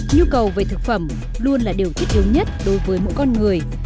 nhu cầu về thực phẩm luôn là điều thích yếu nhất đối với mỗi con người